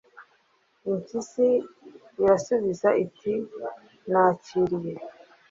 Impyisi irasubiza iti nakiriye: